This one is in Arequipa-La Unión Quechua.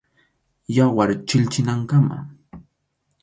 Yawar chilchinankama.